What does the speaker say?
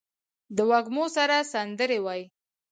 د وږمو سره سندرې وايي